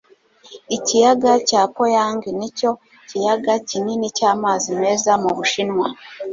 ikiyaga cya poyang nicyo kiyaga kinini cy'amazi meza mu bushinwa